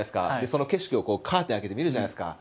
その景色をカーテン開けて見るじゃないですか。